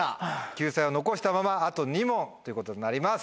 救済を残したまま。ということになります。